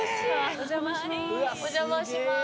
お邪魔します。